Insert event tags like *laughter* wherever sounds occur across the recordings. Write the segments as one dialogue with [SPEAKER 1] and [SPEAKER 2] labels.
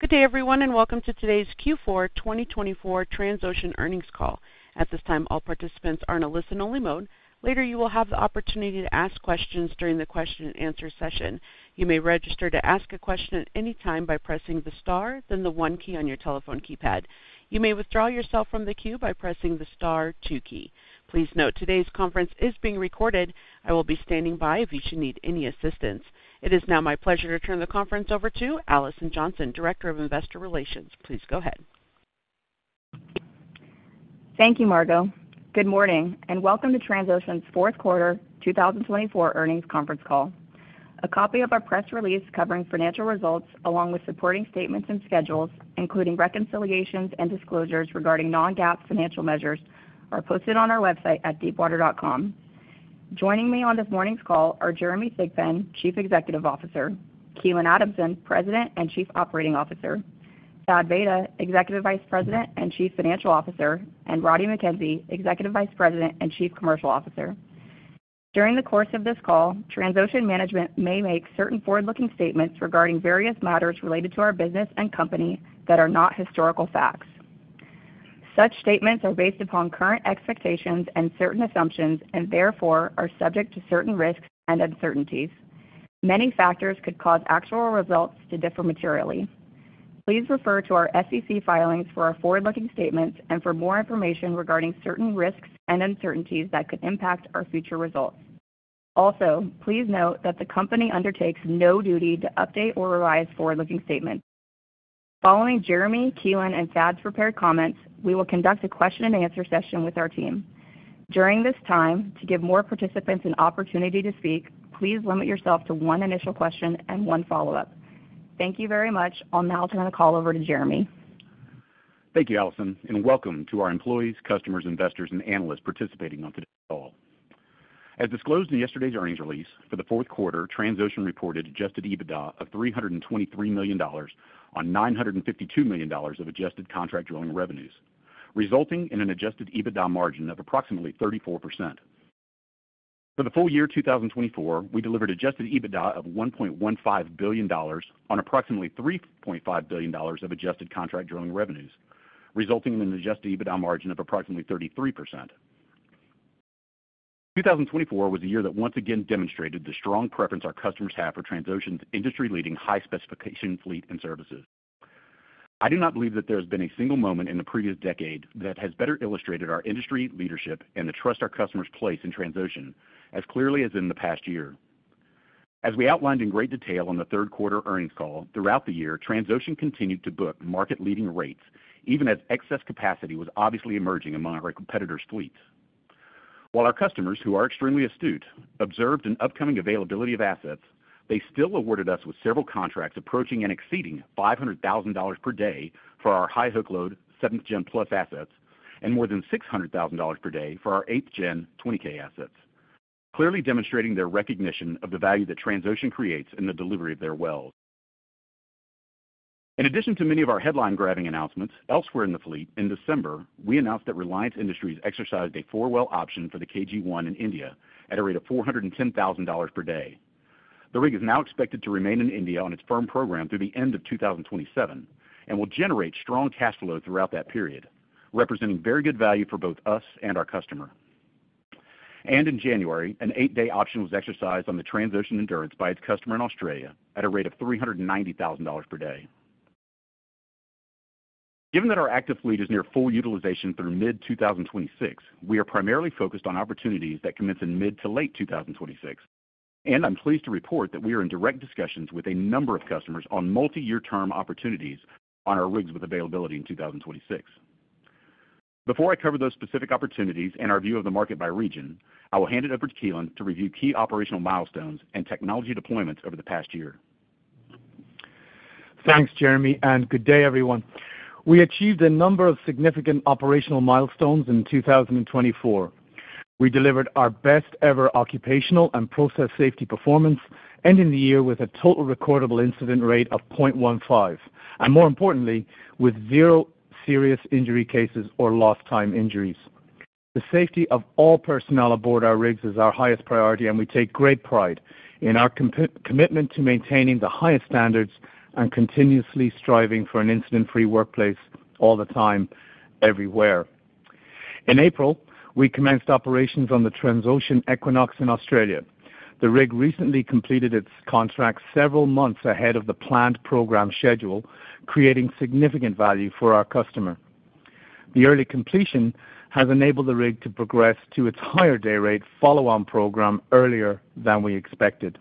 [SPEAKER 1] Good day, everyone, and welcome to today's Q4 2024 Transocean earnings call. At this time, all participants are in a listen-only mode. Later, you will have the opportunity to ask questions during the question-and-answer session. You may register to ask a question at any time by pressing the star, then the one key on your telephone keypad. You may withdraw yourself from the queue by pressing the star two key. Please note, today's conference is being recorded. I will be standing by if you should need any assistance. It is now my pleasure to turn the conference over to Alison Johnson, Director of Investor Relations. Please go ahead.
[SPEAKER 2] Thank you, Margo. Good morning, and welcome to Transocean's fourth quarter 2024 earnings conference call. A copy of our press release covering financial results, along with supporting statements and schedules, including reconciliations and disclosures regarding non-GAAP financial measures, are posted on our website at deepwater.com. Joining me on this morning's call are Jeremy Thigpen, Chief Executive Officer, Keelan Adamson, President and Chief Operating Officer, Thad Vayda, Executive Vice President and Chief Financial Officer, and Roddie Mackenzie, Executive Vice President and Chief Commercial Officer. During the course of this call, Transocean management may make certain forward-looking statements regarding various matters related to our business and company that are not historical facts. Such statements are based upon current expectations and certain assumptions, and therefore are subject to certain risks and uncertainties. Many factors could cause actual results to differ materially. Please refer to our SEC filings for our forward-looking statements and for more information regarding certain risks and uncertainties that could impact our future results. Also, please note that the company undertakes no duty to update or revise forward-looking statements. Following Jeremy, Keelan, and Thad's prepared comments, we will conduct a question-and-answer session with our team. During this time, to give more participants an opportunity to speak, please limit yourself to one initial question and one follow-up. Thank you very much. I'll now turn the call over to Jeremy.
[SPEAKER 3] Thank you, Alison, and welcome to our employees, customers, investors, and analysts participating on today's call. As disclosed in yesterday's earnings release, for the fourth quarter, Transocean reported adjusted EBITDA of $323 million on $952 million of adjusted contract drilling revenues, resulting in an adjusted EBITDA margin of approximately 34%. For the full year 2024, we delivered adjusted EBITDA of $1.15 billion on approximately $3.5 billion of adjusted contract drilling revenues, resulting in an Adjusted EBITDA margin of approximately 33%. 2024 was a year that once again demonstrated the strong preference our customers have for Transocean's industry-leading high-specification fleet and services. I do not believe that there has been a single moment in the previous decade that has better illustrated our industry leadership and the trust our customers place in Transocean as clearly as in the past year. As we outlined in great detail on the third quarter earnings call, throughout the year, Transocean continued to book market-leading rates, even as excess capacity was obviously emerging among our competitors' fleets. While our customers, who are extremely astute, observed an upcoming availability of assets, they still awarded us with several contracts approaching and exceeding $500,000 per day for our high-hook load seventh-gen plus assets and more than $600,000 per day for our eighth-gen 20K assets, clearly demonstrating their recognition of the value that Transocean creates in the delivery of their wells. In addition to many of our headline-grabbing announcements, elsewhere in the fleet, in December, we announced that Reliance Industries exercised a four-well option for the KG1 in India at a rate of $410,000 per day. The rig is now expected to remain in India on its firm program through the end of 2027 and will generate strong cash flow throughout that period, representing very good value for both us and our customer, and in January, an eight-day option was exercised on the Transocean Endurance by its customer in Australia at a rate of $390,000 per day. Given that our active fleet is near full utilization through mid-2026, we are primarily focused on opportunities that commence in mid to late 2026, and I'm pleased to report that we are in direct discussions with a number of customers on multi-year-term opportunities on our rigs with availability in 2026. Before I cover those specific opportunities and our view of the market by region, I will hand it over to Keelan to review key operational milestones and technology deployments over the past year.
[SPEAKER 4] Thanks, Jeremy, and good day, everyone. We achieved a number of significant operational milestones in 2024. We delivered our best-ever occupational and process safety performance ending the year with a total recordable incident rate of 0.15, and more importantly, with zero serious injury cases or lost-time injuries. The safety of all personnel aboard our rigs is our highest priority, and we take great pride in our commitment to maintaining the highest standards and continuously striving for an incident-free workplace all the time, everywhere. In April, we commenced operations on the Transocean Equinox in Australia. The rig recently completed its contract several months ahead of the planned program schedule, creating significant value for our customer. The early completion has enabled the rig to progress to its higher day-rate follow-on program earlier than we expected.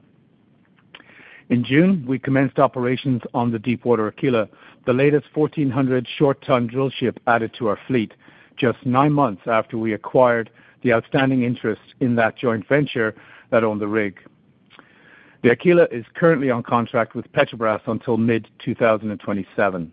[SPEAKER 4] In June, we commenced operations on the Deepwater Aquila, the latest 1,400 short-ton drillship added to our fleet, just nine months after we acquired the outstanding interest in that joint venture that owned the rig. The Aquila is currently on contract with Petrobras until mid-2027.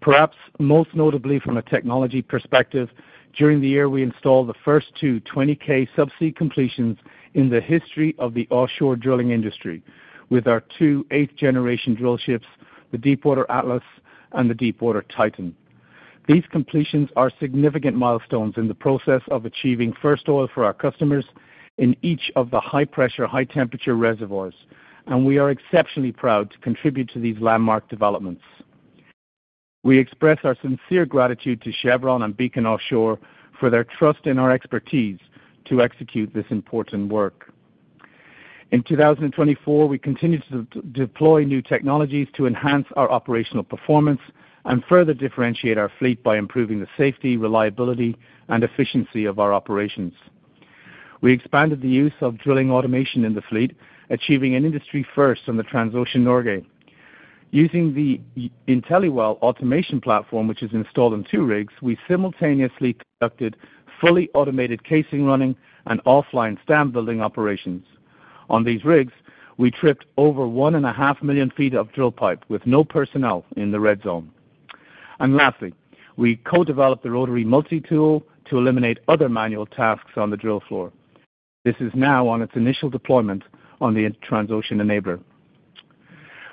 [SPEAKER 4] Perhaps most notably from a technology perspective, during the year, we installed the first two 20K subsea completions in the history of the offshore drilling industry with our two eighth-generation drillships, the Deepwater Atlas and the Deepwater Titan. These completions are significant milestones in the process of achieving first oil for our customers in each of the high-pressure, high-temperature reservoirs, and we are exceptionally proud to contribute to these landmark developments. We express our sincere gratitude to Chevron and Beacon Offshore for their trust in our expertise to execute this important work. In 2024, we continue to deploy new technologies to enhance our operational performance and further differentiate our fleet by improving the safety, reliability, and efficiency of our operations. We expanded the use of drilling automation in the fleet, achieving an industry first on the Transocean Norge. Using the IntelliWell automation platform, which is installed on two rigs, we simultaneously conducted fully automated casing running and offline stand-building operations. On these rigs, we tripped over 1.5 million feet of drill pipe with no personnel in the red zone. And lastly, we co-developed the rotary multi-tool to eliminate other manual tasks on the drill floor. This is now on its initial deployment on the Transocean Enabler.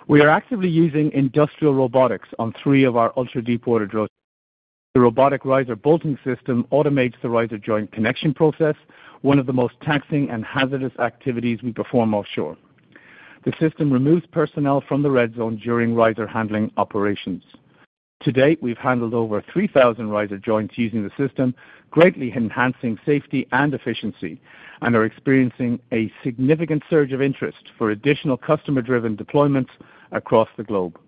[SPEAKER 4] We are actively using industrial robotics on three of our ultra-deepwater drills. The robotic riser bolting system automates the riser joint connection process, one of the most taxing and hazardous activities we perform offshore. The system removes personnel from the red zone during riser handling operations. To date, we've handled over 3,000 riser joints using the system, greatly enhancing safety and efficiency, and are experiencing a significant surge of interest for additional customer-driven deployments across the globe.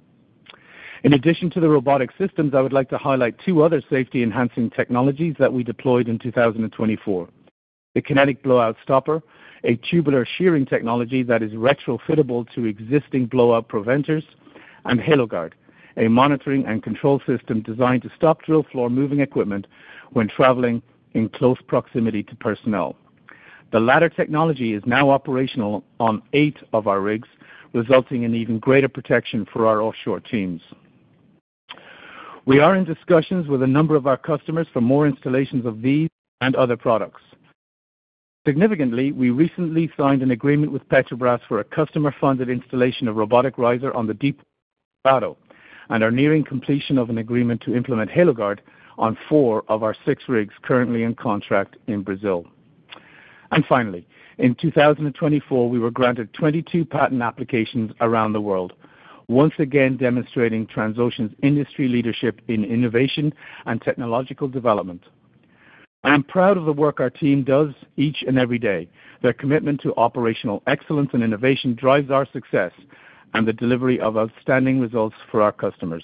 [SPEAKER 4] In addition to the robotic systems, I would like to highlight two other safety-enhancing technologies that we deployed in 2024: the Kinetic Blowout Stopper, a tubular shearing technology that is retrofittable to existing blowout preventers, and HaloGuard, a monitoring and control system designed to stop drill floor moving equipment when traveling in close proximity to personnel. The latter technology is now operational on eight of our rigs, resulting in even greater protection for our offshore teams. We are in discussions with a number of our customers for more installations of these and other products. Significantly, we recently signed an agreement with Petrobras for a customer-funded installation of robotic riser on the Deepwater, and are nearing completion of an agreement to implement HaloGuard on four of our six rigs currently in contract in Brazil. And finally, in 2024, we were granted 22 patent applications around the world, once again demonstrating Transocean's industry leadership in innovation and technological development. I am proud of the work our team does each and every day. Their commitment to operational excellence and innovation drives our success and the delivery of outstanding results for our customers.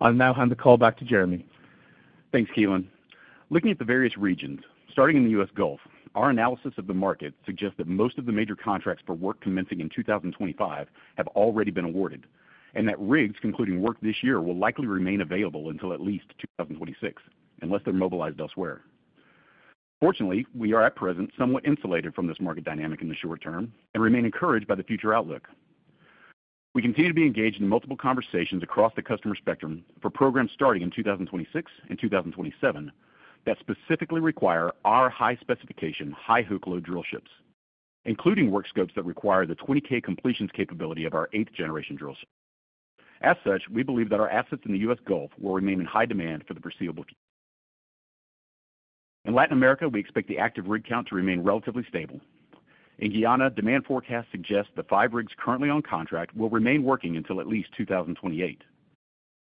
[SPEAKER 4] I'll now hand the call back to Jeremy.
[SPEAKER 3] Thanks, Keelan. Looking at the various regions, starting in the U.S. Gulf, our analysis of the market suggests that most of the major contracts for work commencing in 2025 have already been awarded, and that rigs concluding work this year will likely remain available until at least 2026, unless they're mobilized elsewhere. Fortunately, we are at present somewhat insulated from this market dynamic in the short-term and remain encouraged by the future outlook. We continue to be engaged in multiple conversations across the customer spectrum for programs starting in 2026 and 2027 that specifically require our high-specification, high-hook load drillships, including work scopes that require the 20K completions capability of our eighth-generation drillship. As such, we believe that our assets in the U.S. Gulf will remain in high demand for the foreseeable future. In Latin America, we expect the active rig count to remain relatively stable. In Guyana, demand forecasts suggest the five rigs currently on contract will remain working until at least 2028.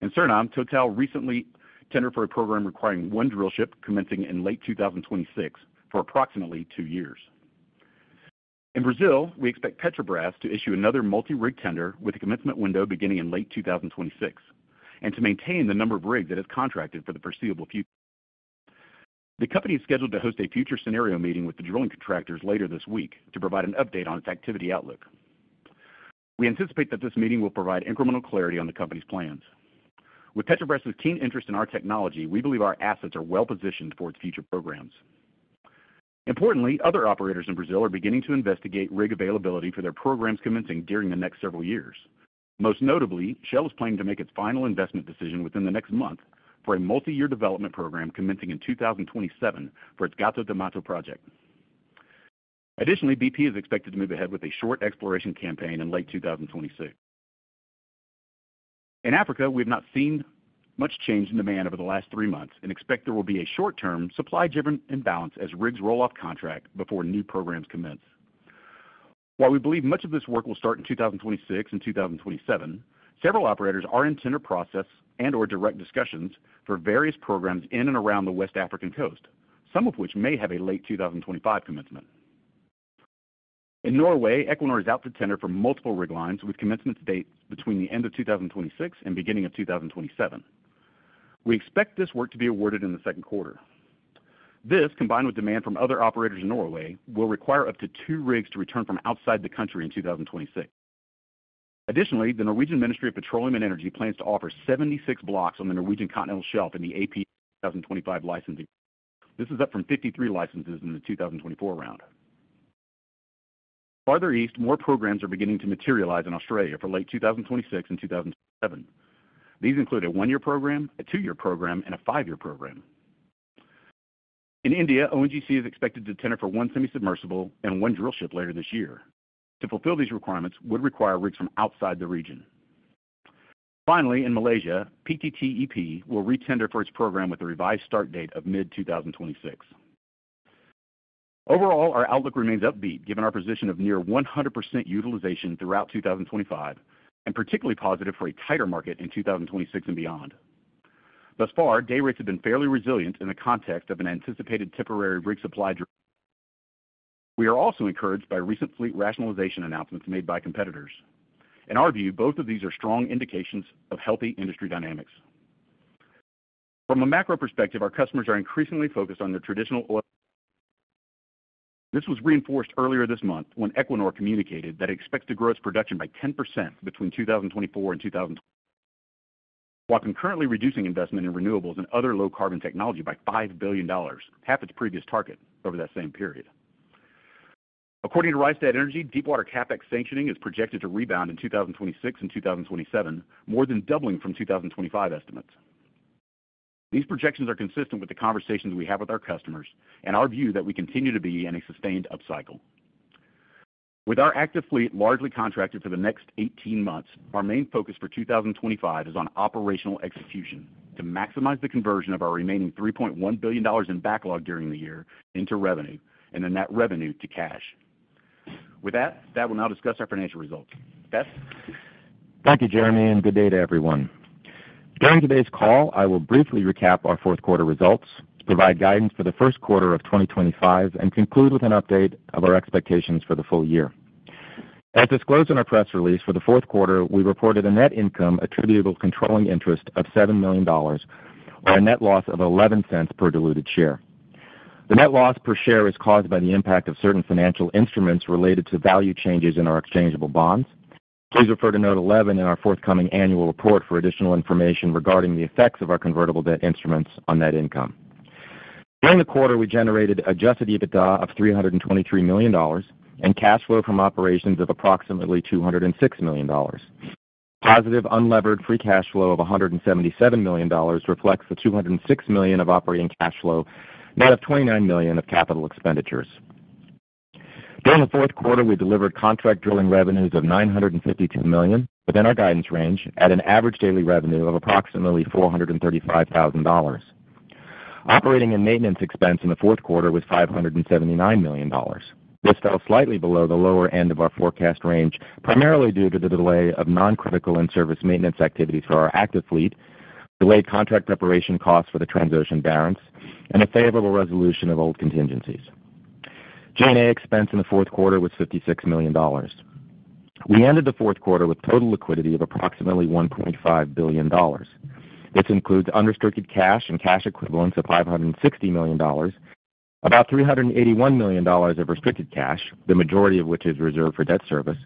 [SPEAKER 3] In Suriname, Total recently tendered for a program requiring one drillship commencing in late 2026 for approximately two years. In Brazil, we expect Petrobras to issue another multi-rig tender with a commencement window beginning in late 2026, and to maintain the number of rigs it has contracted for the foreseeable future. The company is scheduled to host a future scenario meeting with the drilling contractors later this week to provide an update on its activity outlook. We anticipate that this meeting will provide incremental clarity on the company's plans. With Petrobras's keen interest in our technology, we believe our assets are well-positioned for its future programs. Importantly, other operators in Brazil are beginning to investigate rig availability for their programs commencing during the next several years. Most notably, Shell is planning to make its final investment decision within the next month for a multi-year development program commencing in 2027 for its Gato do Mato project. Additionally, BP is expected to move ahead with a short exploration campaign in late 2026. In Africa, we have not seen much change in demand over the last three months and expect there will be a short-term supply-driven imbalance as rigs roll off contract before new programs commence. While we believe much of this work will start in 2026 and 2027, several operators are in tender process and/or direct discussions for various programs in and around the West African coast, some of which may have a late 2025 commencement. In Norway, Equinor is out to tender for multiple rig lines with commencement dates between the end of 2026 and beginning of 2027. We expect this work to be awarded in the second quarter. This, combined with demand from other operators in Norway, will require up to two rigs to return from outside the country in 2026. Additionally, the Norwegian Ministry of Petroleum and Energy plans to offer 76 blocks on the Norwegian Continental Shelf in the APA 2025 licensing. This is up from 53 licenses in the 2024 round. Farther east, more programs are beginning to materialize in Australia for late 2026 and 2027. These include a one-year program, a two-year program, and a five-year program. In India, ONGC is expected to tender for one semi-submersible and one drillship later this year. To fulfill these requirements, we would require rigs from outside the region. Finally, in Malaysia, PTTEP will re-tender for its program with a revised start date of mid-2026. Overall, our outlook remains upbeat given our position of near 100% utilization throughout 2025 and particularly positive for a tighter market in 2026 and beyond. Thus far, day rates have been fairly resilient in the context of an anticipated temporary rig supply. We are also encouraged by recent fleet rationalization announcements made by competitors. In our view, both of these are strong indications of healthy industry dynamics. From a macro perspective, our customers are increasingly focused on their traditional oil. This was reinforced earlier this month when Equinor communicated that it expects to grow its production by 10% between 2024 and 2026, while concurrently reducing investment in renewables and other low-carbon technology by $5 billion, half its previous target over that same period. According to Rystad Energy, deepwater CapEx sanctioning is projected to rebound in 2026 and 2027, more than doubling from 2025 estimates. These projections are consistent with the conversations we have with our customers and our view that we continue to be in a sustained upcycle. With our active fleet largely contracted for the next 18 months, our main focus for 2025 is on operational execution to maximize the conversion of our remaining $3.1 billion in backlog during the year into revenue and then that revenue to cash. With that, that will now discuss our financial results. Thad?
[SPEAKER 5] Thank you, Jeremy, and good day to everyone. During today's call, I will briefly recap our fourth quarter results, provide guidance for the first quarter of 2025, and conclude with an update of our expectations for the full year. As disclosed in our press release for the fourth quarter, we reported a net income attributable to controlling interest of $7 million, or a net loss of $0.11 per diluted share. The net loss per share is caused by the impact of certain financial instruments related to value changes in our exchangeable bonds. Please refer to Note 11 in our forthcoming annual report for additional information regarding the effects of our convertible debt instruments on net income. During the quarter, we generated an adjusted EBITDA of $323 million and cash flow from operations of approximately $206 million. Positive unlevered free cash flow of $177 million reflects the $206 million of operating cash flow, net of $29 million of capital expenditures. During the fourth quarter, we delivered contract drilling revenues of $952 million within our guidance range at an average daily revenue of approximately $435,000. Operating and maintenance expense in the fourth quarter was $579 million. This fell slightly below the lower end of our forecast range, primarily due to the delay of non-critical in-service maintenance activities for our active fleet, delayed contract preparation costs for the Transocean Barents, and a favorable resolution of old contingencies. G&A expense in the fourth quarter was $56 million. We ended the fourth quarter with total liquidity of approximately $1.5 billion. This includes unrestricted cash and cash equivalents of $560 million, about $381 million of restricted cash, the majority of which is reserved for debt service,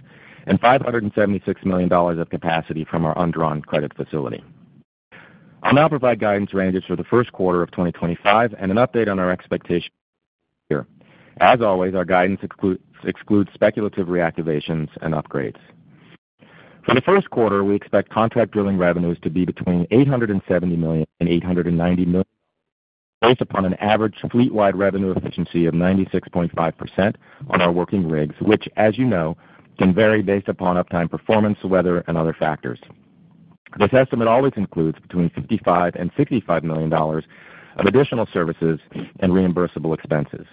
[SPEAKER 5] and $576 million of capacity from our undrawn credit facility. I'll now provide guidance ranges for the first quarter of 2025 and an update on our expectations for the year. As always, our guidance excludes speculative reactivations and upgrades. For the first quarter, we expect contract drilling revenues to be between $870 million and $890 million, based upon an average fleet-wide revenue efficiency of 96.5% on our working rigs, which, as you know, can vary based upon uptime performance, weather, and other factors. This estimate always includes between $55 million and $65 million of additional services and reimbursable expenses.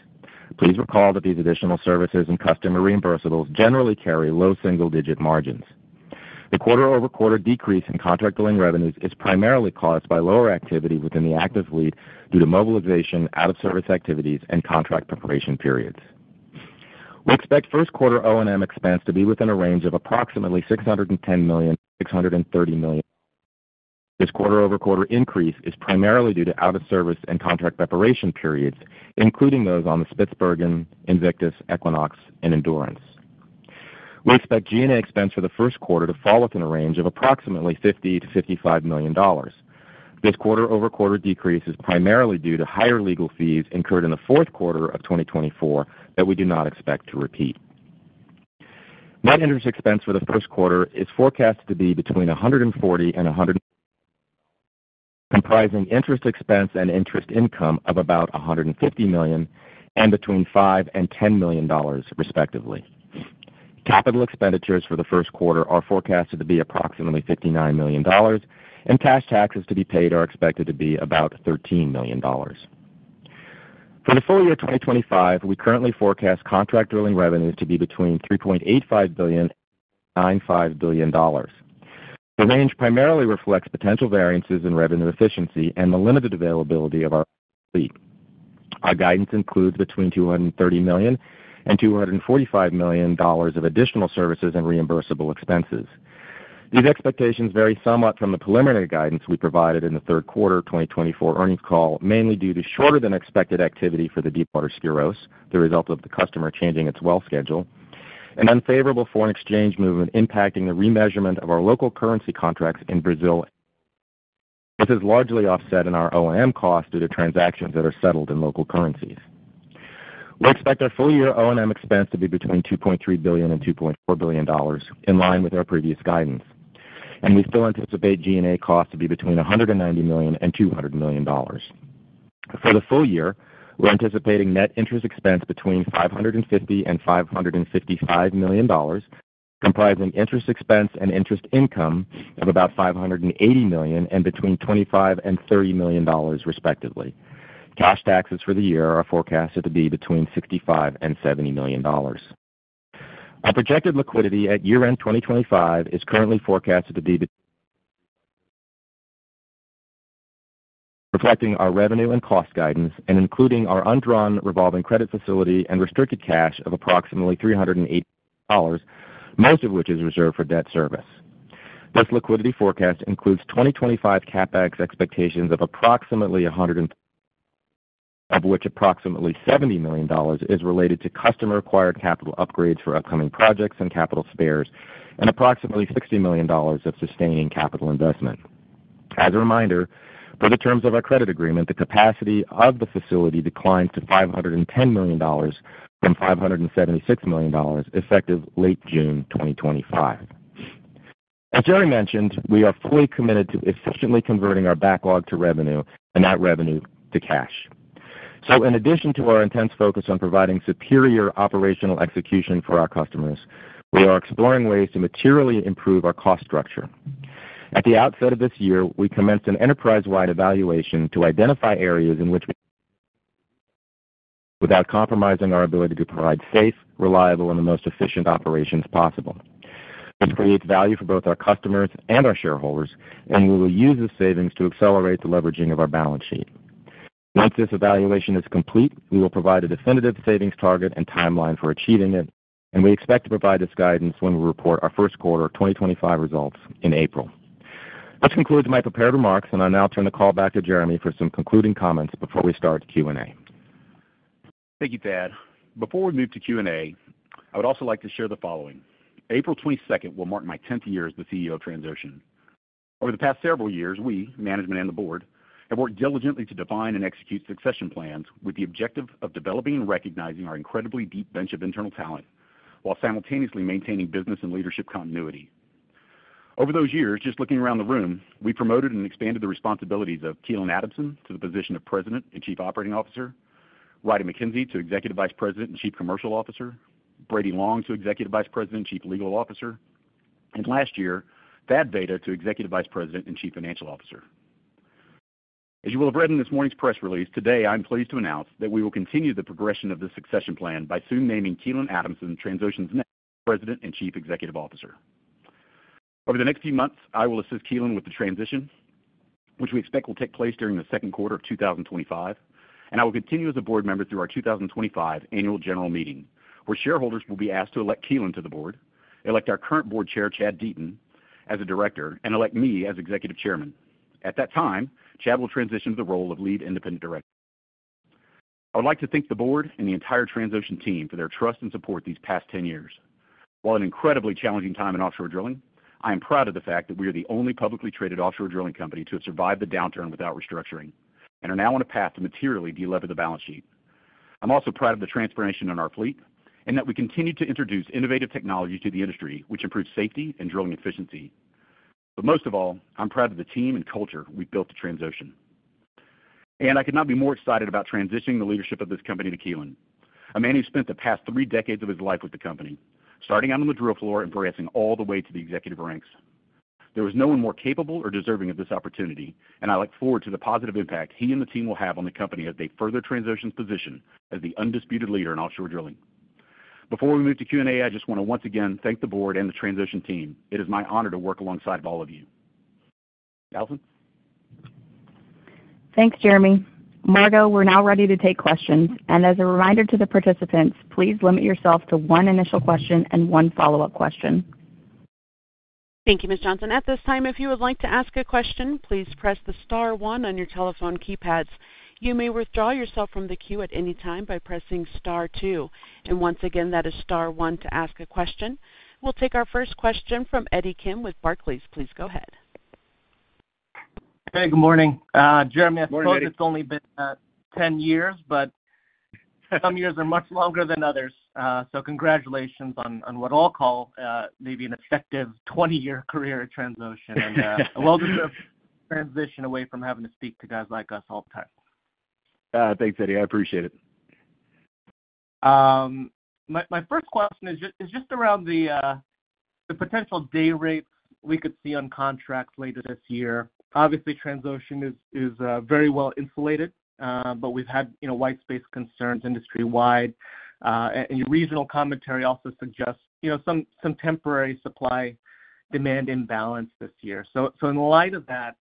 [SPEAKER 5] Please recall that these additional services and customer reimbursables generally carry low single-digit margins. The quarter-over-quarter decrease in contract drilling revenues is primarily caused by lower activity within the active fleet due to mobilization, out-of-service activities, and contract preparation periods. We expect first quarter O&M expense to be within a range of approximately $610 million-$630 million. This quarter-over-quarter increase is primarily due to out-of-service and contract preparation periods, including those on the Spitzbergen, Invictus, Equinox, and Endurance. We expect G&A expense for the first quarter to fall within a range of approximately $50 million-$55 million. This quarter-over-quarter decrease is primarily due to higher legal fees incurred in the fourth quarter of 2024 that we do not expect to repeat. Net interest expense for the first quarter is forecast to be between $140 million and $100 *inaudible* comprising interest expense and interest income of about $150 million and between $5 million-$10 million, respectively. Capital expenditures for the first quarter are forecasted to be approximately $59 million, and cash taxes to be paid are expected to be about $13 million. For the full year 2025, we currently forecast contract drilling revenues to be between $3.85 billion and $95 billion. The range primarily reflects potential variances in revenue efficiency and the limited availability of our fleet. Our guidance includes between $230 million and $245 million of additional services and reimbursable expenses. These expectations vary somewhat from the preliminary guidance we provided in the third quarter 2024 earnings call, mainly due to shorter-than-expected activity for the Deepwater Skyros, the result of the customer changing its well schedule, and unfavorable foreign exchange movement impacting the remeasurement of our local currency contracts in Brazil. This is largely offset in our O&M costs due to transactions that are settled in local currencies. We expect our full-year O&M expense to be between $2.3 billion and $2.4 billion, in line with our previous guidance, and we still anticipate G&A costs to be between $190 million and $200 million. For the full year, we're anticipating net interest expense between $550 million and $555 million, comprising interest expense and interest income of about $580 million and between $25 million and $30 million, respectively. Cash taxes for the year are forecasted to be between $65 million and $70 million. Our projected liquidity at year-end 2025 is currently forecasted to be reflecting our revenue and cost guidance and including our undrawn revolving credit facility and restricted cash of approximately $380 million, most of which is reserved for debt service. This liquidity forecast includes 2025 CapEx expectations of approximately $100 million, of which approximately $70 million is related to customer-required capital upgrades for upcoming projects and capital spares, and approximately $60 million of sustaining capital investment. As a reminder, for the terms of our credit agreement, the capacity of the facility declines to $510 million from $576 million effective late June 2025. As Jeremy mentioned, we are fully committed to efficiently converting our backlog to revenue and that revenue to cash. So, in addition to our intense focus on providing superior operational execution for our customers, we are exploring ways to materially improve our cost structure. At the outset of this year, we commenced an enterprise-wide evaluation to identify areas in which we can operate without compromising our ability to provide safe, reliable, and the most efficient operations possible. This creates value for both our customers and our shareholders, and we will use the savings to accelerate the leveraging of our balance sheet. Once this evaluation is complete, we will provide a definitive savings target and timeline for achieving it, and we expect to provide this guidance when we report our first quarter 2025 results in April. This concludes my prepared remarks, and I'll now turn the call back to Jeremy for some concluding comments before we start Q&A.
[SPEAKER 3] Thank you, Thad. Before we move to Q&A, I would also like to share the following. April 22nd will mark my 10th year as the CEO of Transocean. Over the past several years, we, management and the board, have worked diligently to define and execute succession plans with the objective of developing and recognizing our incredibly deep bench of internal talent while simultaneously maintaining business and leadership continuity. Over those years, just looking around the room, we promoted and expanded the responsibilities of Keelan Adamson to the position of President and Chief Operating Officer, Roddie Mackenzie to Executive Vice President and Chief Commercial Officer, Brady Long to Executive Vice President and Chief Legal Officer, and last year, Thad Vayda to Executive Vice President and Chief Financial Officer. As you will have read in this morning's press release, today I'm pleased to announce that we will continue the progression of the succession plan by soon naming Keelan Adamson Transocean's next President and Chief Executive Officer. Over the next few months, I will assist Keelan with the transition, which we expect will take place during the second quarter of 2025, and I will continue as a board member through our 2025 annual general meeting, where shareholders will be asked to elect Keelan to the board, elect our current Board Chair, Chad Deaton, as a director, and elect me as Executive Chairman. At that time, Chad will transition to the role of Lead Independent Director. I would like to thank the board and the entire Transocean team for their trust and support these past 10 years. While an incredibly challenging time in offshore drilling, I am proud of the fact that we are the only publicly traded offshore drilling company to have survived the downturn without restructuring and are now on a path to materially de-lever the balance sheet. I'm also proud of the transformation in our fleet and that we continue to introduce innovative technology to the industry, which improves safety and drilling efficiency, but most of all, I'm proud of the team and culture we've built at Transocean, and I could not be more excited about transitioning the leadership of this company to Keelan, a man who spent the past three decades of his life with the company, starting out on the drill floor and progressing all the way to the executive ranks. There was no one more capable or deserving of this opportunity, and I look forward to the positive impact he and the team will have on the company as they further Transocean's position as the undisputed leader in offshore drilling. Before we move to Q&A, I just want to once again thank the board and the Transocean team. It is my honor to work alongside all of you. Alison?
[SPEAKER 2] Thanks, Jeremy. Margo, we're now ready to take questions. And as a reminder to the participants, please limit yourself to one initial question and one follow-up question.
[SPEAKER 1] Thank you, Ms. Johnson. At this time, if you would like to ask a question, please press the star one on your telephone keypads. You may withdraw yourself from the queue at any time by pressing star two. And once again, that is star one to ask a question. We'll take our first question from Eddie Kim with Barclays. Please go ahead.
[SPEAKER 6] Hey, good morning. Jeremy, I suppose it's only been 10 years, but some years are much longer than others, so congratulations on what I'll call maybe an effective 20-year career at Transocean and a well-deserved transition away from having to speak to guys like us all the time.
[SPEAKER 3] Thanks, Eddie. I appreciate it.
[SPEAKER 6] My first question is just around the potential day rates we could see on contracts later this year. Obviously, Transocean is very well insulated, but we've had white space concerns industry-wide, and your regional commentary also suggests some temporary supply demand imbalance this year. So in light of that,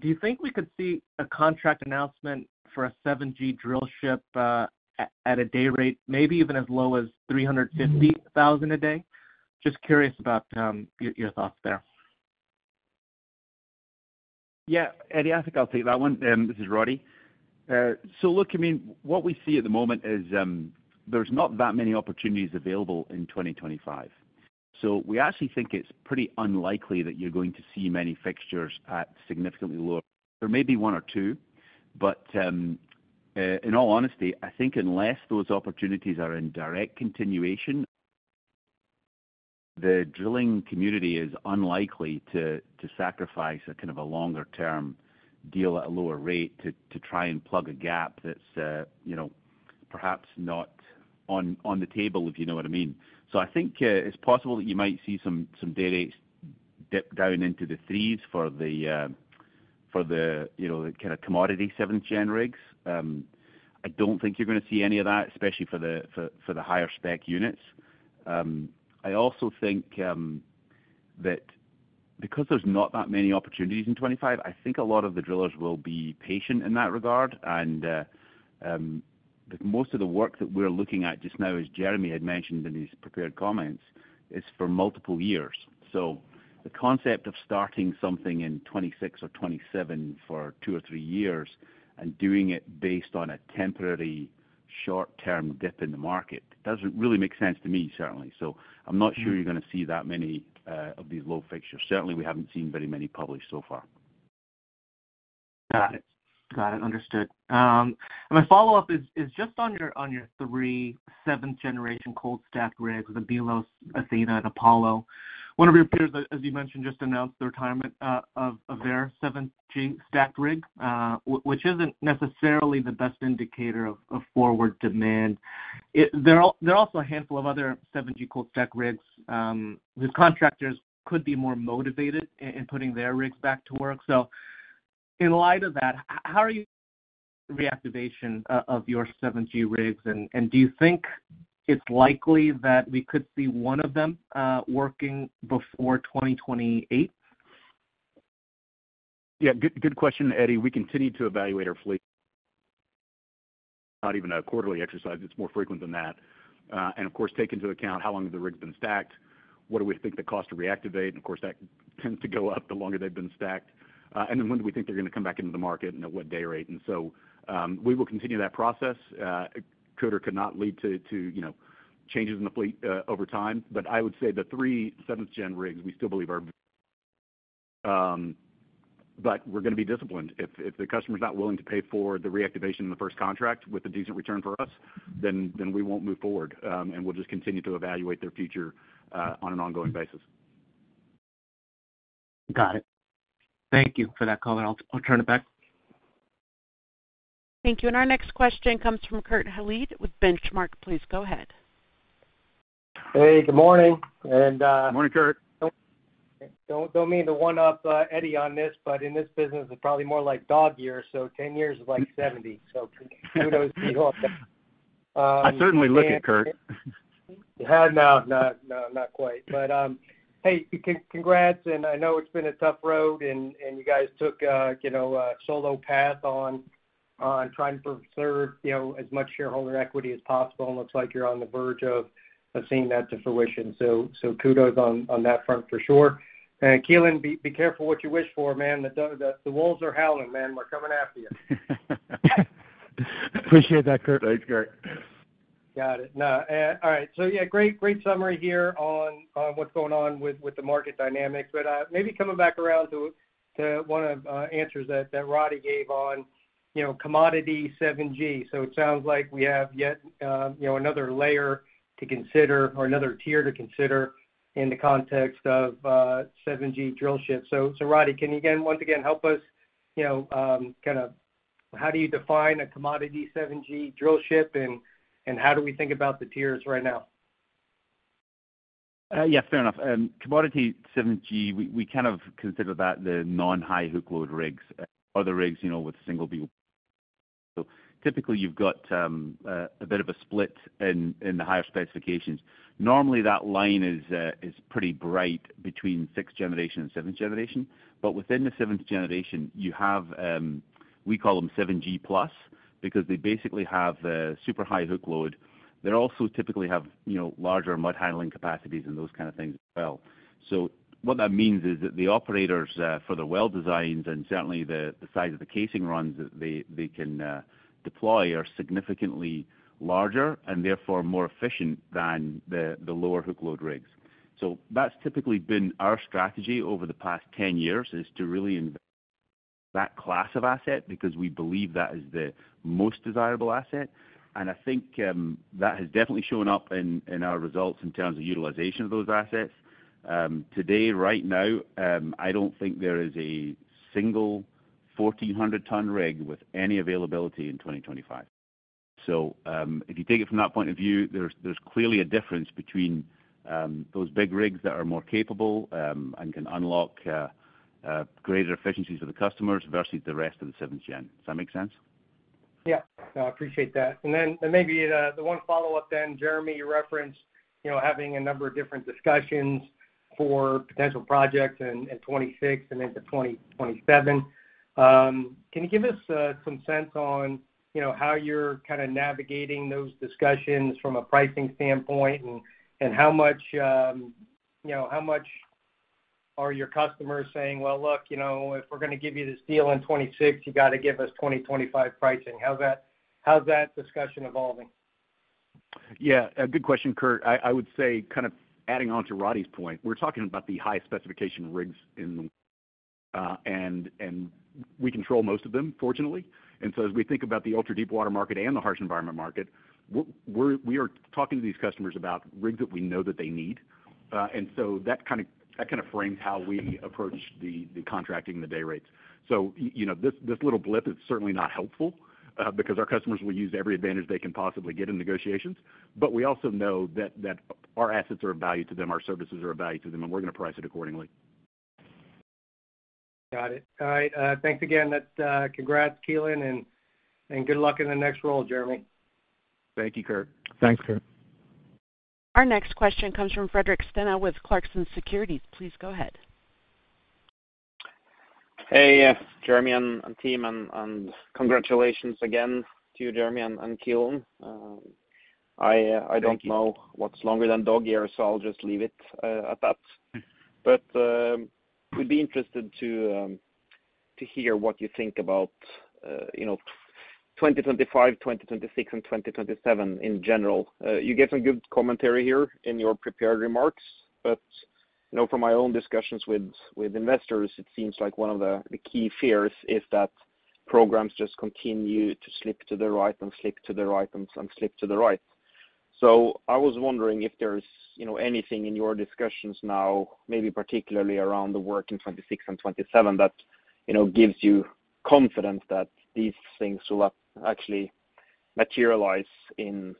[SPEAKER 6] do you think we could see a contract announcement for a 7G drillship at a day rate maybe even as low as $350,000 a day? Just curious about your thoughts there.
[SPEAKER 7] Yeah, Eddie, I think I'll take that one. This is Roddie. So look, I mean, what we see at the moment is there's not that many opportunities available in 2025. So we actually think it's pretty unlikely that you're going to see many fixtures at significantly lower. There may be one or two, but in all honesty, I think unless those opportunities are in direct continuation, the drilling community is unlikely to sacrifice a kind of a longer-term deal at a lower rate to try and plug a gap that's perhaps not on the table, if you know what I mean. So I think it's possible that you might see some day rates dip down into the threes for the kind of commodity seventh-gen rigs. I don't think you're going to see any of that, especially for the higher spec units. I also think that because there's not that many opportunities in 2025, I think a lot of the drillers will be patient in that regard, and most of the work that we're looking at just now, as Jeremy had mentioned in his prepared comments, is for multiple years, so the concept of starting something in 2026 or 2027 for two or three years and doing it based on a temporary short-term dip in the market, it doesn't really make sense to me, certainly, so I'm not sure you're going to see that many of these low fixtures. Certainly, we haven't seen very many published so far.
[SPEAKER 6] Got it. Got it. Understood. And my follow-up is just on your three seventh-generation cold-stack rigs with the Mylos, Athena, and Apollo. One of your peers, as you mentioned, just announced the retirement of their 7G stacked rig, which isn't necessarily the best indicator of forward demand. There are also a handful of other 7G cold-stack rigs whose contractors could be more motivated in putting their rigs back to work. So in light of that, how are you reactivating your 7G rigs? And do you think it's likely that we could see one of them working before 2028?
[SPEAKER 3] Yeah. Good question, Eddie. We continue to evaluate our fleet. Not even a quarterly exercise. It's more frequent than that. And of course, take into account how long have the rigs been stacked, what do we think the cost to reactivate. And of course, that tends to go up the longer they've been stacked. And then when do we think they're going to come back into the market and at what day rate? And so we will continue that process. It could or could not lead to changes in the fleet over time. But I would say the three seventh-gen rigs, we still believe are - but we're going to be disciplined. If the customer is not willing to pay for the reactivation in the first contract with a decent return for us, then we won't move forward. And we'll just continue to evaluate their future on an ongoing basis.
[SPEAKER 6] Got it. Thank you for that comment. I'll turn it back.
[SPEAKER 1] Thank you, and our next question comes from Kurt Hallead with Benchmark. Please go ahead.
[SPEAKER 8] Hey, good morning.
[SPEAKER 3] Good morning, Kurt.
[SPEAKER 8] Don't mean to one-up Eddie on this, but in this business, it's probably more like dog years. So 10 years is like 70. So kudos to you all.
[SPEAKER 3] I certainly look at Kurt.
[SPEAKER 8] No, not quite, but hey, congrats. I know it's been a tough road, and you guys took a solo path on trying to preserve as much shareholder equity as possible. It looks like you're on the verge of seeing that to fruition, so kudos on that front for sure. Keelan, be careful what you wish for, man. The wolves are howling, man. We're coming after you.
[SPEAKER 4] Appreciate that, Kurt.
[SPEAKER 3] Thanks, Kurt.
[SPEAKER 8] Got it. All right. So yeah, great summary here on what's going on with the market dynamics. But maybe coming back around to one of the answers that Roddie gave on commodity 7G. So it sounds like we have yet another layer to consider or another tier to consider in the context of 7G drillships. So Roddie, can you again, once again, help us kind of how do you define a commodity 7G drillship, and how do we think about the tiers right now?
[SPEAKER 7] Yes, fair enough. Commodity 7G, we kind of consider that the non-high hook load rigs, other rigs with single beam. So typically, you've got a bit of a split in the higher specifications. Normally, that line is pretty bright between sixth generation and seventh generation. But within the seventh generation, you have, we call them 7G plus because they basically have super high hook load. They also typically have larger mud handling capacities and those kind of things as well. So what that means is that the operators, for the well designs and certainly the size of the casing runs that they can deploy, are significantly larger and therefore more efficient than the lower hook load rigs. So that's typically been our strategy over the past 10 years is to really invest in that class of asset because we believe that is the most desirable asset. I think that has definitely shown up in our results in terms of utilization of those assets. Today, right now, I don't think there is a single 1,400-ton rig with any availability in 2025. So if you take it from that point of view, there's clearly a difference between those big rigs that are more capable and can unlock greater efficiencies for the customers versus the rest of the seventh gen. Does that make sense?
[SPEAKER 8] Yeah. I appreciate that. And then maybe the one follow-up then, Jeremy, you referenced having a number of different discussions for potential projects in 2026 and into 2027. Can you give us some sense on how you're kind of navigating those discussions from a pricing standpoint and how much are your customers saying, "Well, look, if we're going to give you this deal in 2026, you got to give us 2025 pricing"? How's that discussion evolving?
[SPEAKER 3] Yeah. Good question, Kurt. I would say kind of adding on to Roddie's point, we're talking about the high-specification rigs in the world, and we control most of them, fortunately. And so as we think about the ultra-deepwater market and the harsh environment market, we are talking to these customers about rigs that we know that they need. And so that kind of frames how we approach the contracting and the day rates. So this little blip is certainly not helpful because our customers will use every advantage they can possibly get in negotiations. But we also know that our assets are of value to them, our services are of value to them, and we're going to price it accordingly.
[SPEAKER 8] Got it. All right. Thanks again. Congrats, Keelan, and good luck in the next role, Jeremy.
[SPEAKER 3] Thank you, Kurt.
[SPEAKER 4] Thanks, Kurt.
[SPEAKER 1] Our next question comes from Fredrik Stene with Clarksons Securities. Please go ahead.
[SPEAKER 9] Hey, Jeremy and team. And congratulations again to you, Jeremy, and Keelan. I don't know what's longer than dog years, so I'll just leave it at that. But we'd be interested to hear what you think about 2025, 2026, and 2027 in general. You gave some good commentary here in your prepared remarks. But from my own discussions with investors, it seems like one of the key fears is that programs just continue to slip to the right and slip to the right and slip to the right. So I was wondering if there's anything in your discussions now, maybe particularly around the work in 2026 and 2027, that gives you confidence that these things will actually materialize in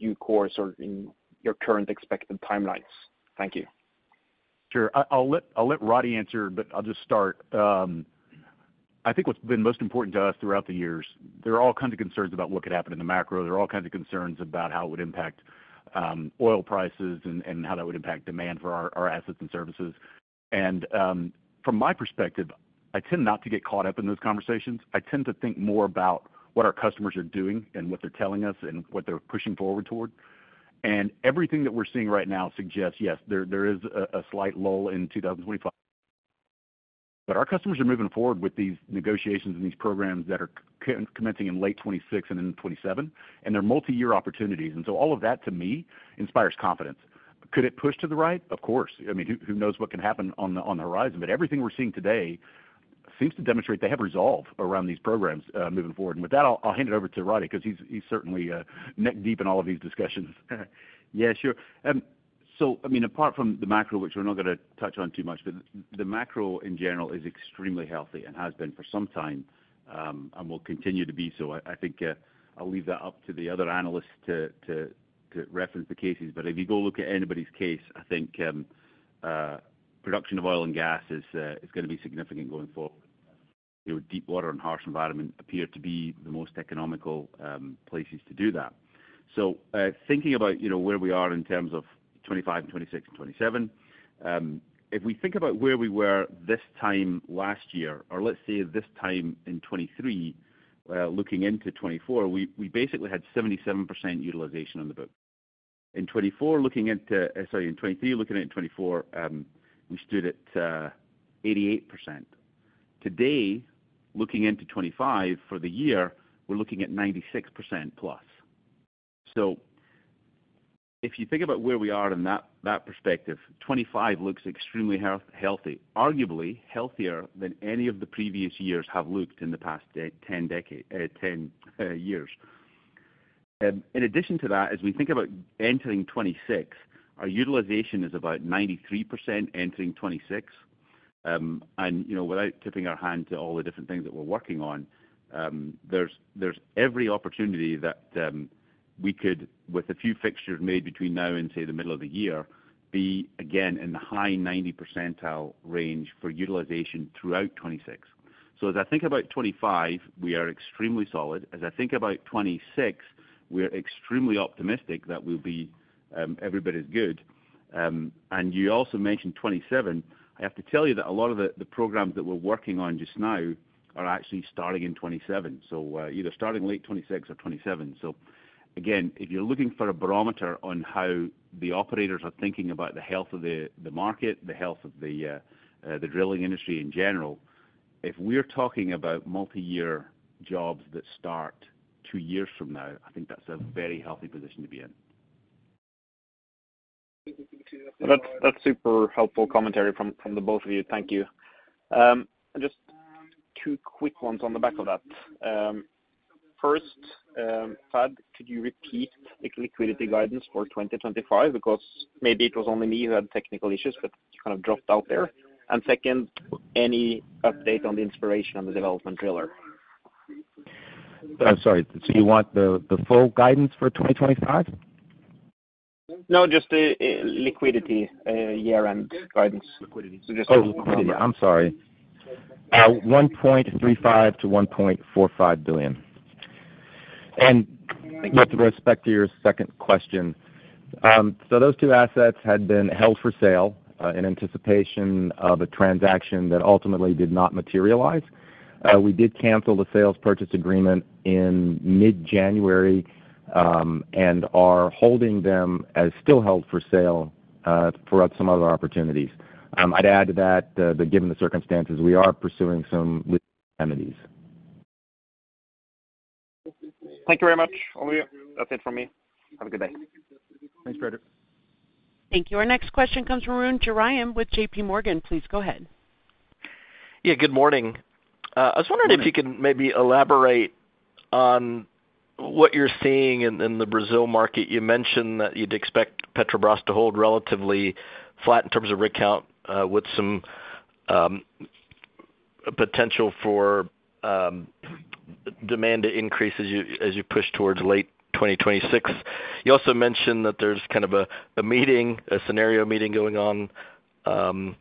[SPEAKER 9] due course or in your current expected timelines. Thank you.
[SPEAKER 3] Sure. I'll let Roddie answer, but I'll just start. I think what's been most important to us throughout the years. There are all kinds of concerns about what could happen in the macro. There are all kinds of concerns about how it would impact oil prices and how that would impact demand for our assets and services, and from my perspective, I tend not to get caught up in those conversations. I tend to think more about what our customers are doing and what they're telling us and what they're pushing forward toward, and everything that we're seeing right now suggests yes, there is a slight lull in 2025, but our customers are moving forward with these negotiations and these programs that are commencing in late 2026 and in 2027, and they're multi-year opportunities, and so all of that, to me, inspires confidence. Could it push to the right? Of course. I mean, who knows what can happen on the horizon? But everything we're seeing today seems to demonstrate they have resolve around these programs moving forward. And with that, I'll hand it over to Roddie because he's certainly neck deep in all of these discussions.
[SPEAKER 7] Yeah, sure. So I mean, apart from the macro, which we're not going to touch on too much, but the macro in general is extremely healthy and has been for some time and will continue to be so. I think I'll leave that up to the other analysts to reference the cases. But if you go look at anybody's case, I think production of oil and gas is going to be significant going forward. Deep water and harsh environment appear to be the most economical places to do that. So thinking about where we are in terms of 2025 and 2026 and 2027, if we think about where we were this time last year, or let's say this time in 2023, looking into 2024, we basically had 77% utilization on the book. In 2024, looking into, sorry, in 2023, looking into 2024, we stood at 88%. Today, looking into 2025 for the year, we're looking at 96% plus. So if you think about where we are in that perspective, 2025 looks extremely healthy, arguably healthier than any of the previous years have looked in the past 10 years. In addition to that, as we think about entering 2026, our utilization is about 93% entering 2026. And without tipping our hand to all the different things that we're working on, there's every opportunity that we could, with a few fixtures made between now and, say, the middle of the year, be again in the high 90 percentile range for utilization throughout 2026. So as I think about 2025, we are extremely solid. As I think about 2026, we're extremely optimistic that everybody's good. And you also mentioned 2027. I have to tell you that a lot of the programs that we're working on just now are actually starting in 2027, so either starting late 2026 or 2027. Again, if you're looking for a barometer on how the operators are thinking about the health of the market, the health of the drilling industry in general, if we're talking about multi-year jobs that start two years from now, I think that's a very healthy position to be in.
[SPEAKER 9] That's super helpful commentary from the both of you. Thank you. Just two quick ones on the back of that. First, Thad, could you repeat the liquidity guidance for 2025? Because maybe it was only me who had technical issues, but you kind of dropped out there. And second, any update on the Inspiration and the Development Driller?
[SPEAKER 5] I'm sorry. So you want the full guidance for 2025?
[SPEAKER 9] No, just the liquidity year-end guidance.
[SPEAKER 5] Liquidity. I'm sorry. $1.35 billion-$1.45 billion. And with respect to your second question, so those two assets had been held for sale in anticipation of a transaction that ultimately did not materialize. We did cancel the sales purchase agreement in mid-January and are holding them as still held for sale for some other opportunities. I'd add to that, given the circumstances, we are pursuing some remedies.
[SPEAKER 9] Thank you very much. That's it from me. Have a good day.
[SPEAKER 7] Thanks, Frederick.
[SPEAKER 1] Thank you. Our next question comes from Arun Jayaram with JPMorgan. Please go ahead.
[SPEAKER 10] Yeah, good morning. I was wondering if you could maybe elaborate on what you're seeing in the Brazil market. You mentioned that you'd expect Petrobras to hold relatively flat in terms of rig count with some potential for demand to increase as you push towards late 2026. You also mentioned that there's kind of a meeting, a scenario meeting going on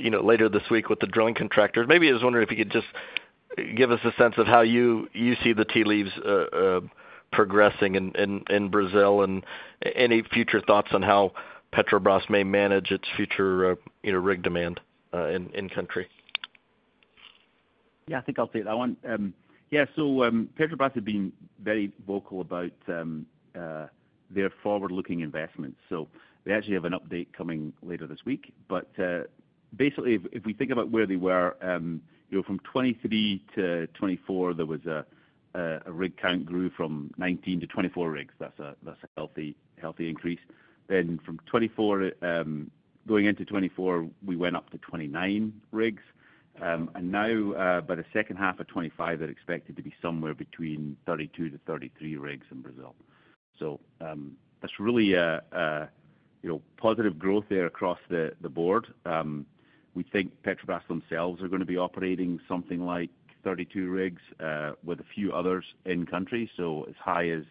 [SPEAKER 10] later this week with the drilling contractors. Maybe I was wondering if you could just give us a sense of how you see the tea leaves progressing in Brazil and any future thoughts on how Petrobras may manage its future rig demand in country?
[SPEAKER 7] Yeah, I think I'll take that one. Yeah, so Petrobras has been very vocal about their forward-looking investments. So they actually have an update coming later this week. But basically, if we think about where they were, from 2023 to 2024, there was a rig count grew from 19 to 24 rigs. That's a healthy increase. Then from 2024, going into 2024, we went up to 29 rigs. And now, by the second half of 2025, they're expected to be somewhere between 32-33 rigs in Brazil. So that's really positive growth there across the board. We think Petrobras themselves are going to be operating something like 32 rigs with a few others in country, so as high as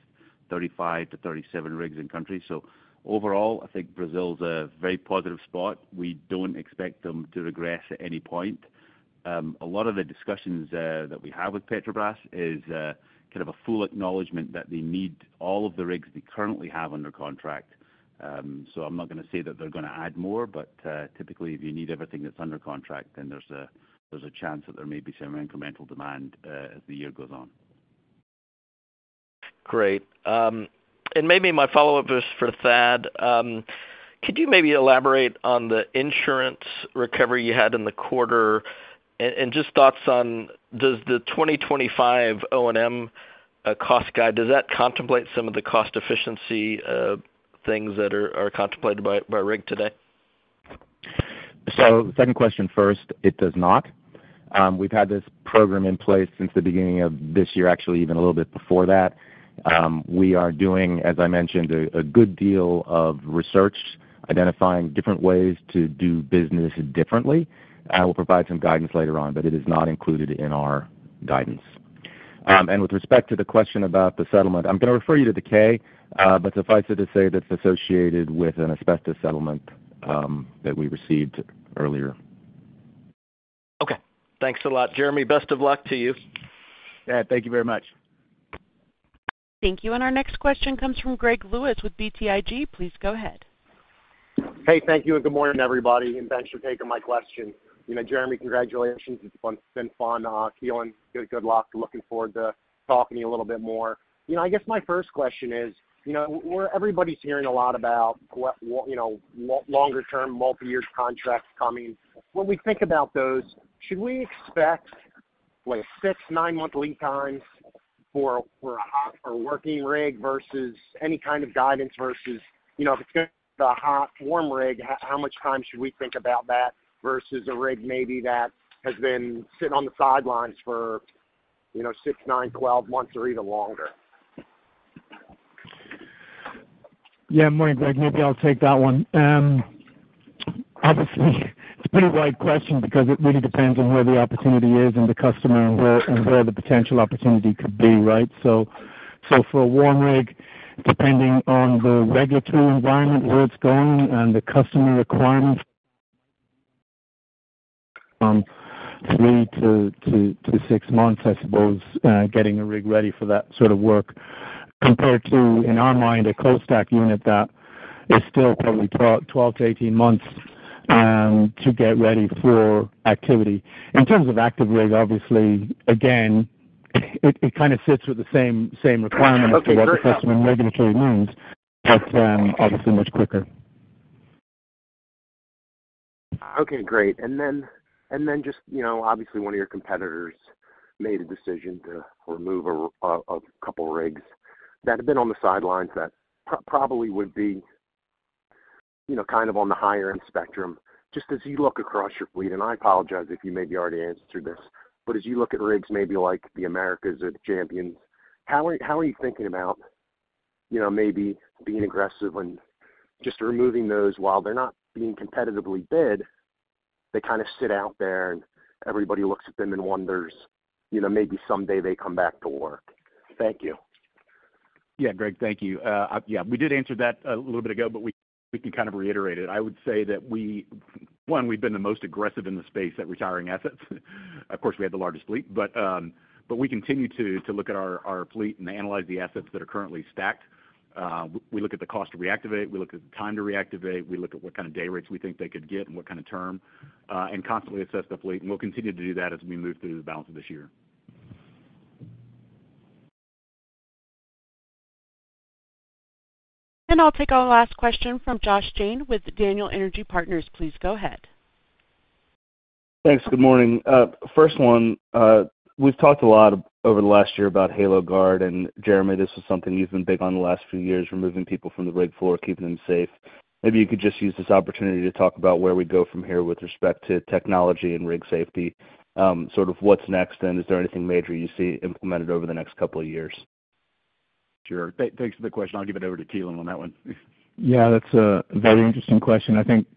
[SPEAKER 7] 35-37 rigs in country. So overall, I think Brazil's a very positive spot. We don't expect them to regress at any point. A lot of the discussions that we have with Petrobras is kind of a full acknowledgment that they need all of the rigs they currently have under contract. So I'm not going to say that they're going to add more, but typically, if you need everything that's under contract, then there's a chance that there may be some incremental demand as the year goes on.
[SPEAKER 10] Great. And maybe my follow-up is for Thad. Could you maybe elaborate on the insurance recovery you had in the quarter and just thoughts on does the 2025 O&M cost guide, does that contemplate some of the cost efficiency things that are contemplated by rig today?
[SPEAKER 5] Second question first, it does not. We've had this program in place since the beginning of this year, actually even a little bit before that. We are doing, as I mentioned, a good deal of research identifying different ways to do business differently. I will provide some guidance later on, but it is not included in our guidance. With respect to the question about the settlement, I'm going to refer you to the K, but suffice it to say that it's associated with an asbestos settlement that we received earlier.
[SPEAKER 10] Okay. Thanks a lot, Jeremy. Best of luck to you.
[SPEAKER 3] Yeah. Thank you very much.
[SPEAKER 1] Thank you. And our next question comes from Greg Lewis with BTIG. Please go ahead.
[SPEAKER 11] Hey, thank you and good morning, everybody and thanks for taking my question. Jeremy, congratulations. It's been fun. Keelan, good luck. Looking forward to talking to you a little bit more. I guess my first question is, everybody's hearing a lot about longer-term multi-year contracts coming. When we think about those, should we expect six-nine-month lead times for a hot or working rig versus any kind of guidance versus if it's going to be a hot, warm rig, how much time should we think about that versus a rig maybe that has been sitting on the sidelines for six, nine, 12 months or even longer?
[SPEAKER 4] Yeah. Morning, Greg. Maybe I'll take that one. Obviously, it's a pretty wide question because it really depends on where the opportunity is and the customer and where the potential opportunity could be, right? So for a warm rig, depending on the regulatory environment, where it's going, and the customer requirements, 3-6 months, I suppose, getting a rig ready for that sort of work, compared to, in our mind, a cold stack unit that is still probably 12-18 months to get ready for activity. In terms of active rig, obviously, again, it kind of sits with the same requirements of what the customer and regulatory means, but obviously much quicker.
[SPEAKER 11] Okay. Great. And then just obviously, one of your competitors made a decision to remove a couple of rigs that had been on the sidelines that probably would be kind of on the higher-end spectrum. Just as you look across your fleet, and I apologize if you maybe already answered this, but as you look at rigs maybe like the Americas or Champion, how are you thinking about maybe being aggressive and just removing those while they're not being competitively bid? They kind of sit out there and everybody looks at them and wonders maybe someday they come back to work. Thank you.
[SPEAKER 7] Yeah, Greg, thank you. Yeah, we did answer that a little bit ago, but we can kind of reiterate it. I would say that, one, we've been the most aggressive in the space at retiring assets. Of course, we had the largest fleet, but we continue to look at our fleet and analyze the assets that are currently stacked. We look at the cost to reactivate. We look at the time to reactivate. We look at what kind of day rates we think they could get and what kind of term and constantly assess the fleet. And we'll continue to do that as we move through the balance of this year.
[SPEAKER 1] I'll take our last question from Josh Jayne with Daniel Energy Partners. Please go ahead.
[SPEAKER 3] Thanks. Good morning. First one, we've talked a lot over the last year about HaloGuard. And Jeremy, this is something you've been big on the last few years, removing people from the rig floor, keeping them safe. Maybe you could just use this opportunity to talk about where we go from here with respect to technology and rig safety, sort of what's next, and is there anything major you see implemented over the next couple of years? Sure. Thanks for the question. I'll give it over to Keelan on that one.
[SPEAKER 4] Yeah, that's a very interesting question. I think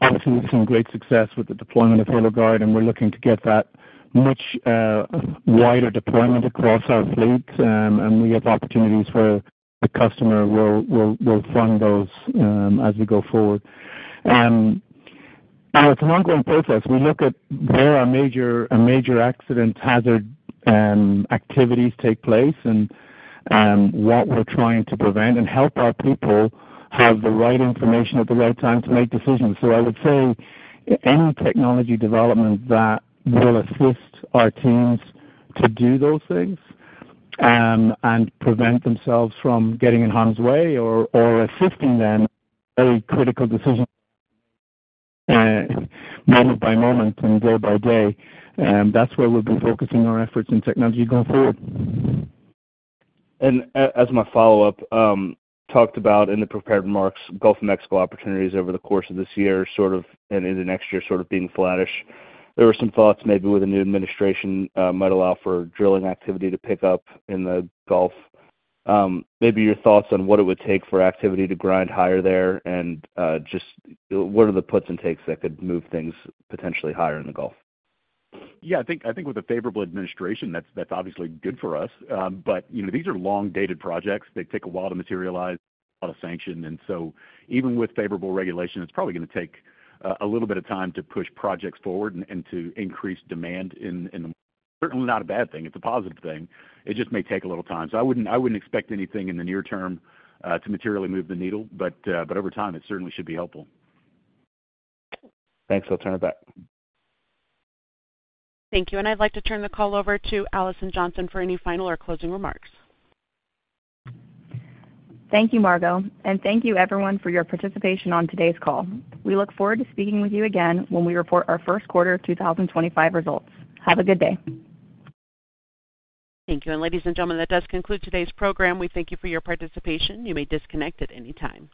[SPEAKER 4] obviously we've seen great success with the deployment of HaloGuard, and we're looking to get that much wider deployment across our fleet, and we have opportunities where the customer will fund those as we go forward, and it's an ongoing process. We look at where our major accident hazard activities take place and what we're trying to prevent and help our people have the right information at the right time to make decisions, so I would say any technology development that will assist our teams to do those things and prevent themselves from getting in harm's way or assisting them in very critical decisions moment by moment and day by day, that's where we'll be focusing our efforts in technology going forward.
[SPEAKER 12] And as my follow-up, talked about in the prepared remarks, Gulf of Mexico opportunities over the course of this year, sort of, and in the next year, sort of being flattish. There were some thoughts maybe with a new administration might allow for drilling activity to pick up in the Gulf. Maybe your thoughts on what it would take for activity to grind higher there and just what are the puts and takes that could move things potentially higher in the Gulf?
[SPEAKER 3] Yeah, I think with a favorable administration, that's obviously good for us. But these are long-dated projects. They take a while to materialize, a lot of sanction. And so even with favorable regulation, it's probably going to take a little bit of time to push projects forward and to increase demand in the. Certainly not a bad thing. It's a positive thing. It just may take a little time. So I wouldn't expect anything in the near term to materially move the needle, but over time, it certainly should be helpful.
[SPEAKER 12] Thanks. I'll turn it back.
[SPEAKER 1] Thank you. And I'd like to turn the call over to Alison Johnson for any final or closing remarks.
[SPEAKER 2] Thank you, Margo. And thank you, everyone, for your participation on today's call. We look forward to speaking with you again when we report our first quarter of 2025 results. Have a good day.
[SPEAKER 1] Thank you. And ladies and gentlemen, that does conclude today's program. We thank you for your participation. You may disconnect at any time.